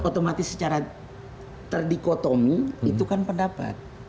otomatis secara terdikotomi itu kan pendapat